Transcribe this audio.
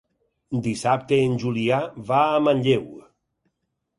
Dissabte en Julià va a Manlleu.